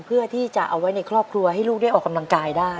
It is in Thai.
เพื่อที่จะเอาไว้ในครอบครัวให้ลูกได้ออกกำลังกายได้